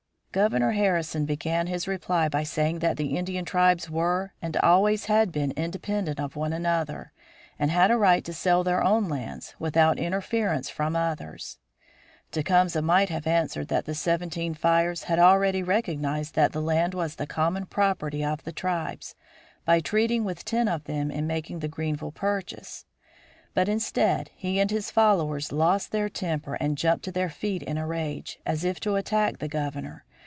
Governor Harrison began his reply by saying that the Indian tribes were and always had been independent of one another, and had a right to sell their own lands, without interference from others. Tecumseh might have answered that the Seventeen Fires had already recognized that the land was the common property of the tribes by treating with ten of them in making the Greenville purchase. But instead he and his followers lost their temper and jumped to their feet in a rage, as if to attack the Governor.